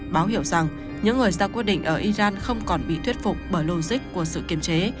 báo hiểu rằng những người ra quyết định ở iran không còn bị thuyết phục bởi logic của sự kiềm chế